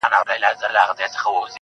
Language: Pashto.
جادوگري جادوگر دي اموخته کړم,